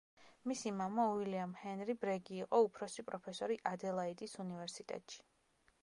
მისი მამა, უილიამ ჰენრი ბრეგი იყო უფროსი პროფესორი ადელაიდის უნივერსიტეტში.